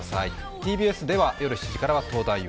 ＴＢＳでは夜７時からは東大王。